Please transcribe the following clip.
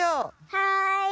はい。